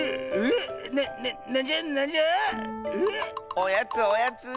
おやつおやつ！